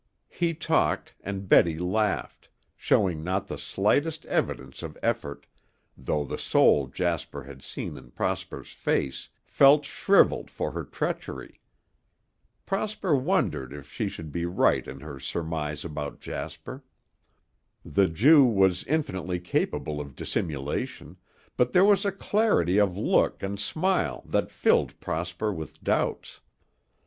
He talked and Betty laughed, showing not the slightest evidence of effort, though the soul Jasper had seen in Prosper's face felt shriveled for her treachery. Prosper wondered if she could be right in her surmise about Jasper. The Jew was infinitely capable of dissimulation, but there was a clarity of look and smile that filled Prosper with doubts.